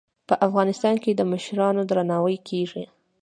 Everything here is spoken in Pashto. په افغانستان کې د مشرانو درناوی کیږي.